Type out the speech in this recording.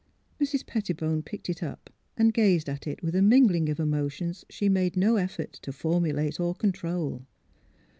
Mrs. Pettibone picked it up and gazed at it with a mingling of emotions she made no effort to formulate or control.